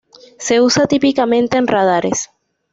Se usa típicamente en radares.